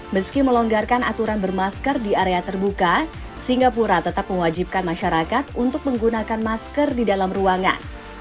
meski melonggarkan aturan bermasker di area terbuka singapura tetap mewajibkan masyarakat untuk menggunakan masker di dalam ruangan